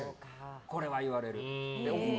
これは言われる。